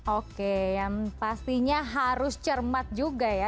oke yang pastinya harus cermat juga ya